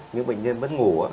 những bệnh nhân mất ngủ